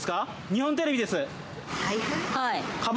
日本テレビです。